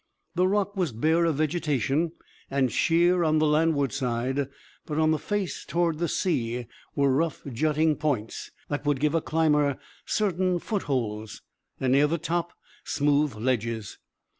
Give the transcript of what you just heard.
The rock was bare of vegetation, and sheer on the landward side, but on the face toward the sea were rough jutting points that would give a climber certain footholds, and near the top smooth ledges.